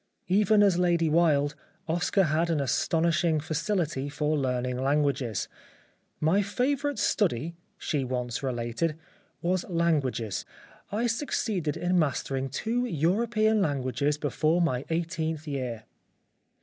Even as Lady Wilde, Oscar had an astonishing facility for learning languages. " My favourite study," she once related, " was languages ; I succeeded in mastering two European languages before my eighteenth year."